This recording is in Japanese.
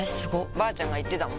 ばあちゃんが言ってたもん